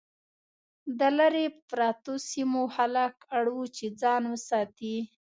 د لرې پرتو سیمو خلک اړ وو چې ځان وساتي.